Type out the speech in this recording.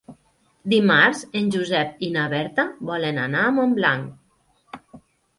Dimarts en Josep i na Berta volen anar a Montblanc.